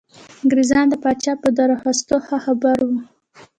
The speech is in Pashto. انګرېزان د پاچا په درخواستونو ښه خبر وو.